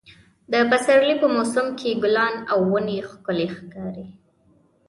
د پسرلي په موسم کې ګلان او ونې ښکلې ښکاري.